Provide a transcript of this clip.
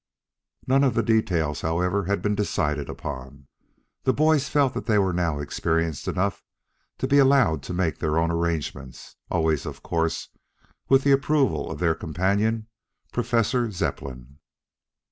None of the details, however, had been decided upon. The boys felt that they were now experienced enough to be allowed to make their own arrangements, always, of course, with the approval of their companion, Professor Zepplin.